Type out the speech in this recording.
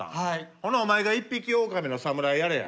ほなお前が一匹おおかみの侍やれや。